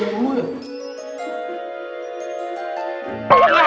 wah nyalahin lagi